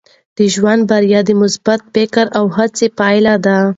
د ژوند بریا د مثبت فکر او هڅو پایله ده.